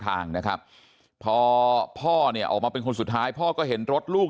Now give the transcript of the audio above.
ทางนะครับพอพ่อเนี่ยออกมาเป็นคนสุดท้ายพ่อก็เห็นรถลูก